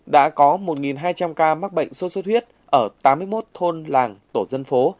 đã có một hai trăm linh ca mắc bệnh sốt xuất huyết ở tám mươi một thôn làng tổ dân phố